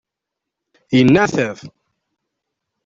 Yenneɛtab.